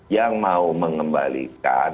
yang mau mengembalikan